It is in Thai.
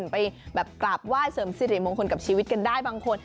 ไปแบบกราบไหว้เสริมสิริมงคลกับชีวิตกันได้บางคน